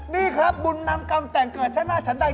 นี่ครับบุญนำกรรมแต่งเกิดชั้นหน้าชั้นใด